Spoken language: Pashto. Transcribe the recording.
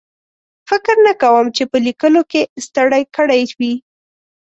فکر نه کوم چې په لیکلو کې ستړی کړی وي.